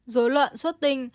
dối loạn xuất tinh